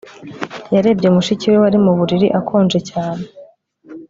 Yarebye mushiki we wari mu buriri akonje cyane